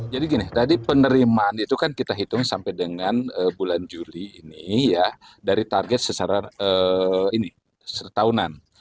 jadi gini tadi penerimaan itu kan kita hitung sampai dengan bulan juli ini ya dari target setahunan